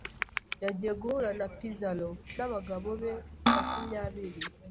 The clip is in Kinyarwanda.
Yagiye guhura na Pizzaro nabagabo be makumyabiri.